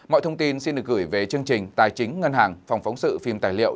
mọi thông tin xin được gửi về chương trình tài chính ngân hàng phòng phóng sự phim tài liệu